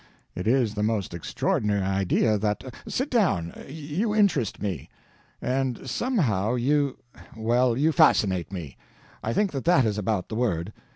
It is the most extraordinary idea that sit down you interest me. And somehow you well, you fascinate me; I think that that is about the word.